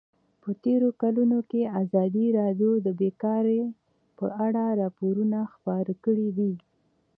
په تېرو کلونو کې ازادي راډیو د بیکاري په اړه راپورونه خپاره کړي دي.